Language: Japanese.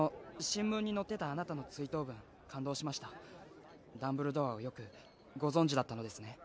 新聞に載ってたあなたの追悼文感動しましたダンブルドアをよくご存じだったのですね